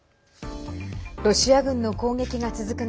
ロシア軍の攻撃が続く